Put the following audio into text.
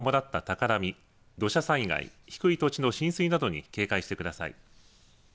山口県では暴風やうねりを伴った高波、土砂災害、低い土地の浸水などに警戒してください。